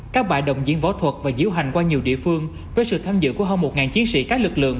các bài đồng diễn võ thuật và diễu hành qua nhiều địa phương với sự tham dự của hơn một chiến sĩ các lực lượng